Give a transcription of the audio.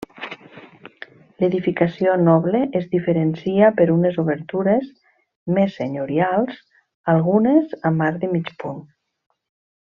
L'edificació noble es diferencia per unes obertures més senyorials, algunes amb arc de mig punt.